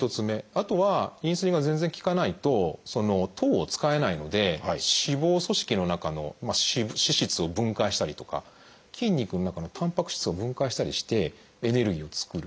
あとはインスリンが全然効かないと糖を使えないので脂肪組織の中の脂質を分解したりとか筋肉の中のたんぱく質を分解したりしてエネルギーを作る。